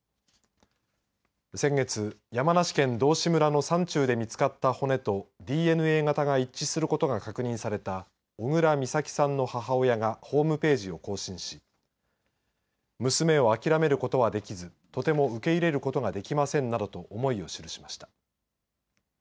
先月、山梨県道志村の山中で見つかった骨とＤＮＡ型が一致することが確認された小倉美咲さんの母親がホームページを更新し娘を諦めることはできずとても受け入れることができませんなどと思いを記しました。